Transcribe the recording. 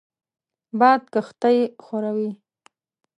باد کښتۍ ښوروي